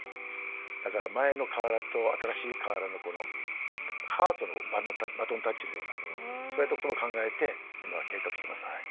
だから前の瓦と新しい瓦のハートのバトンタッチのようなそういったことも考えて今は計画してます。